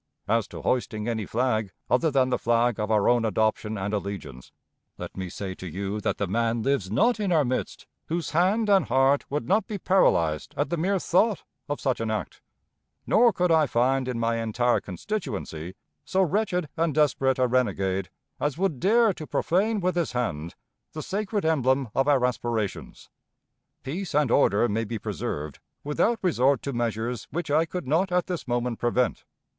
... As to hoisting any flag other than the flag of our own adoption and allegiance, let me say to you that the man lives not in our midst whose hand and heart would not be paralyzed at the mere thought of such an act; nor could I find in my entire constituency so wretched and desperate a renegade as would dare to profane with his hand the sacred emblem of our aspirations. ... Peace and order may be preserved without resort to measures which I could not at this moment prevent.